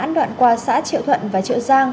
trong đoạn qua xã triệu thuận và triệu giang